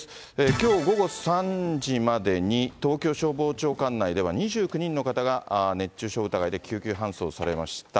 きょう午後３時までに東京消防庁管内では、２９人の方が熱中症疑いで救急搬送されました。